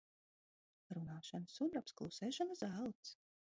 Runāšana sudrabs, klusēšana zelts.